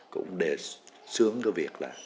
cũng đề xướng cái việc là